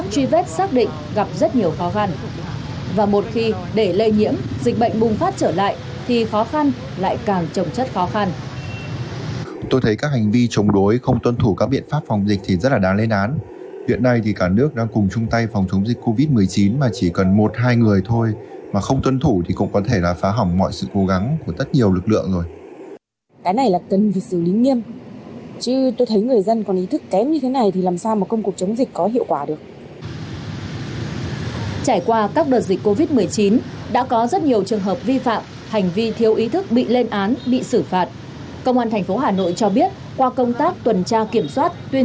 công an thành phố hà nội cho biết qua công tác tuần tra kiểm soát tuyên truyền nhắc nhở nhân dân